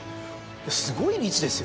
すごい率ですよ。